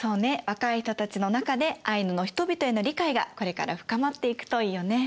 若い人たちの中でアイヌの人々への理解がこれから深まっていくといいよね。